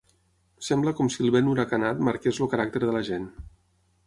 Sembla com si el vent huracanat marqués el caràcter de la gent.